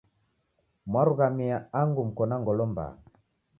Mwarughamia angu muko na ngolo mbaha